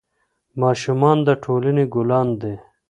ماشومان د ټولنې ګلان دي.